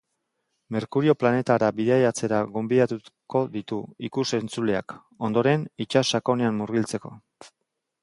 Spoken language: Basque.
Merkurio planetara bidaiatzera gonbidatuko ditu ikus-entzuleak, ondoren, itsaso sakonean murgiltzeko.